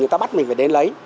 người ta bắt mình phải đến lấy